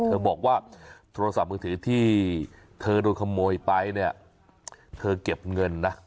เธอบอกว่าโทรศัพท์มือถือที่เธอโดนขโมยไปเนี่ยเธอเก็บเงินนะ